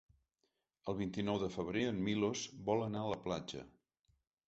El vint-i-nou de febrer en Milos vol anar a la platja.